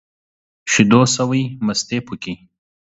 شيدو سوى ، مستې پوکي.